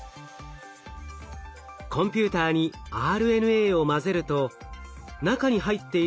コンピューターにＲＮＡを混ぜると中に入っている